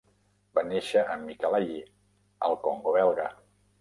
Va néixer a Mikalayi, al Congo belga.